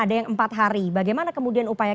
ada yang empat hari bagaimana kemudian upaya